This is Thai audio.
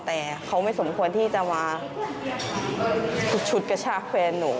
แต่เขาไม่สมควรที่จะมาชุดกระชากแฟนหนู